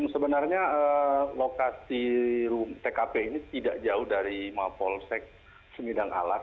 sebenarnya lokasi tkp ini tidak jauh dari mapolsek semidang alas